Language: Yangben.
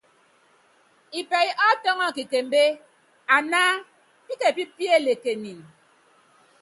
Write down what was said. Ipɛyɛ́ ɔ́ tɔ́ŋɔ kikembé aná pikenípíelekinin.